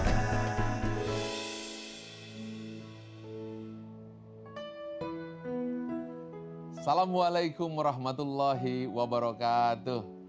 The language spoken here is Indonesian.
assalamualaikum warahmatullahi wabarakatuh